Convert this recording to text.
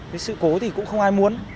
cái sự cố thì cũng không ai muốn